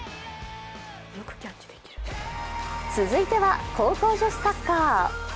続いては、高校女子サッカー。